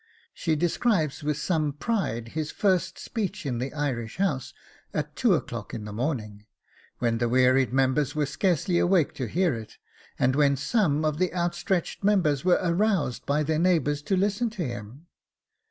She describes with some pride his first speech in the Irish House at two o'clock in the morning, when the wearied members were scarcely awake to hear it, and when some of the outstretched members were aroused by their neighbours to listen to him!